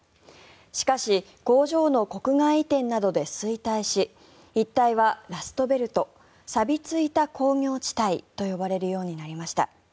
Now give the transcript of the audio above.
しかし、工場の国外移転などで衰退し一帯はラスト・ベルトさびついた工業地帯と呼ばれるようになりました。